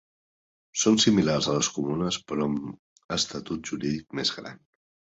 Són similars a les comunes, però amb estatut jurídic més gran.